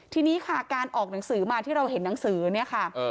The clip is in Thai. ทีนี้ค่ะการออกหนังสือมาที่เราเห็นหนังสือเนี่ยค่ะ